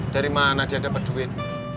dari mana dia dapat duit